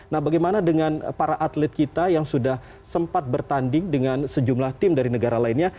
nah bagaimana dengan para atlet kita yang sudah sempat bertanding dengan sejumlah tim dari negara lainnya